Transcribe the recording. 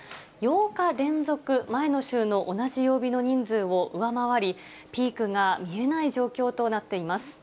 ８日連続、前の週の同じ曜日の人数を上回り、ピークが見えない状況となっています。